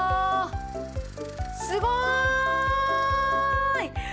すごーい！